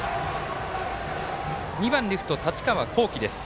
２番レフト、太刀川幸輝です。